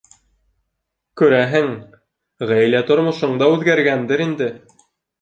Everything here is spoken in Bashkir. Күрәһең, ғаилә тормошоң да үҙгәргәндер инде?